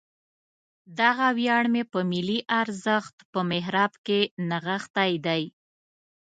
دغه ویاړ مې په ملي ارزښت په محراب کې نغښتی دی.